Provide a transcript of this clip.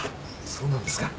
そうなんですか。